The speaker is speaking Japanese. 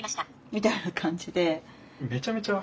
みたいな感じで。